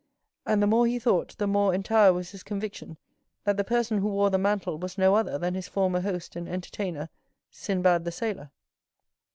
And the more he thought, the more entire was his conviction, that the person who wore the mantle was no other than his former host and entertainer, "Sinbad the Sailor."